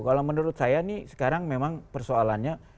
kalau menurut saya nih sekarang memang persoalannya